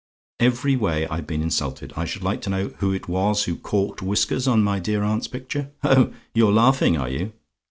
"Every way I've been insulted. I should like to know who it was who corked whiskers on my dear aunt's picture? Oh! you're laughing, are you?